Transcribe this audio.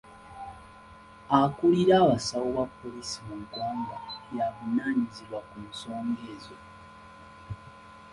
Akulira abasawo ba poliisi mu ggwanga y'avunaanyizibwa ku nsonga ezo.